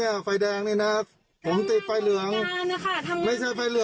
อย่าสร้างกระแส